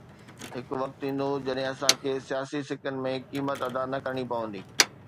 هڪ وقت ايندو جڏهن اسان کي سياسي سڪن ۾ قيمت ادا نه ڪرڻي پوندي.